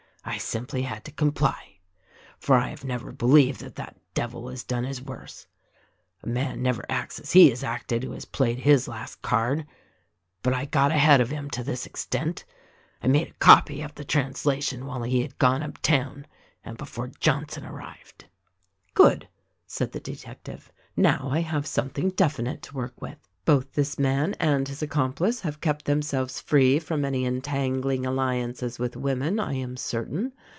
I simply had to comply ; for I have never believed that that devil has done his worst. A man never acts as he has acted who has played his last card. But I got ahead of him to this extent : I made a copy of the translation while he had gone up town, and before Johnson arrived." "Good!" said the detective, "Now I have something definite to work with. Both this man and his accomplice have kept themselves free from any entangling alliances with women, I am certain.